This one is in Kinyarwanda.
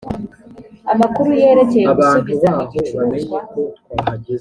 amakuru yerekeye gusubiza igicuruzwa